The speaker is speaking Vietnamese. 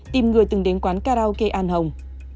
tìm người từng đến quán karaoke an hồng